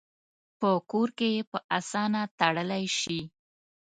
په کور کې یې په آسانه تړلی شي.